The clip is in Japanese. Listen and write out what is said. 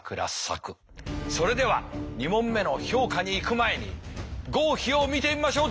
それでは２問目の評価にいく前に合否を見てみましょう。